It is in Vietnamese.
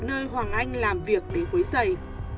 nơi hoàng anh làm việc để quấy giày